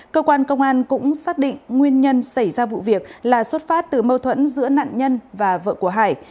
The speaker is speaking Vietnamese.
cơ quan công an cũng xác định nguyên nhân xảy ra vụ việc là xuất phát từ mâu thuẫn giữa nạn nhân và vợ của hải